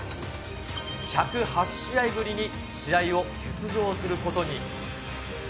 １０８試合ぶりに試合を欠場することに。